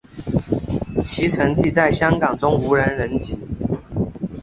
其成绩在香港中无人能及。